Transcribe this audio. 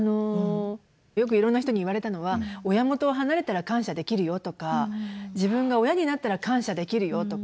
よくいろんな人に言われたのは親元を離れたら感謝できるよとか自分が親になったら感謝できるよとか。